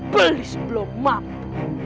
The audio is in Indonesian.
belis belum mampu